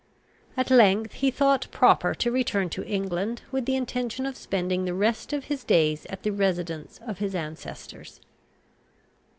At length he thought proper to return to England, with the intention of spending the rest of his days at the residence of his ancestors.